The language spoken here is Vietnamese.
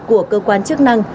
của cơ quan chức năng